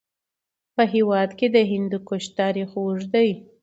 په هېواد کې د هندوکش تاریخ اوږد دی.